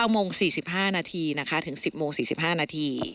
๙โมง๔๕นาทีนะคะถึง๑๐โมง๔๕นาที